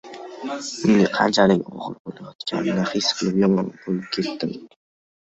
Unga qanchalik og`ir bo`layotganini his qilib, yomon bo`lib ketdim